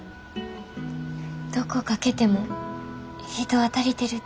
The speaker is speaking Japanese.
どこかけても人は足りてるて。